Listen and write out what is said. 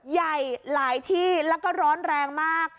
ใหญ่หลายที่แล้วก็ร้อนแรงมาก